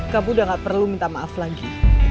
kamu udah gak perlu minta maaf lagi